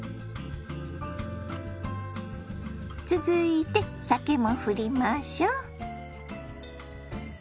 続いて酒もふりましょ。